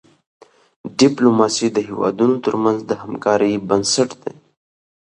ډيپلوماسي د هیوادونو ترمنځ د همکاری بنسټ دی.